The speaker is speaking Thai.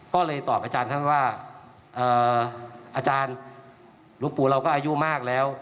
ก็เลยตอบอาจารย์ท่านว่าอาจารย์หลวงปู่เราก็อายุมากแล้ว